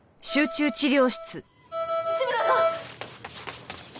内村さん！